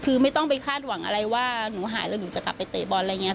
คือไม่ต้องไปคาดหวังอะไรว่าหนูหายแล้วหนูจะกลับไปเตะบอลอะไรอย่างนี้